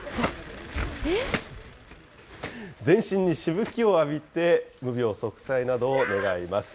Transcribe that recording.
全身にしぶきを浴びて、無病息災などを願います。